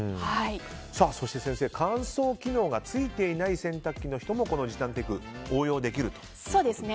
そして先生、乾燥機能がついていない洗濯機の方もこの時短テクが応用できるということですね。